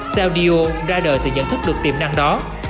sandio ra đời từ nhận thức được tiềm năng đó